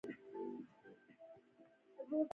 د پانګې کمښت لرونکي ماتې خوري.